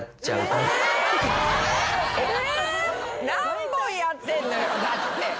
何本やってんのよだって。